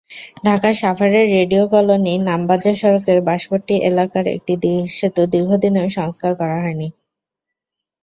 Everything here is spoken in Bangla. ঢাকার সাভারের রেডিও কলোনি-নামাবাজার সড়কের বাঁশপট্টি এলাকার একটি সেতু দীর্ঘদিনেও সংস্কার করা হয়নি।